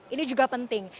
ini juga penting